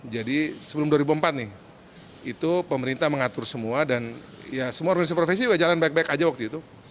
jadi sebelum dua ribu empat nih itu pemerintah mengatur semua dan ya semua organisasi profesi juga jalan baik baik aja waktu itu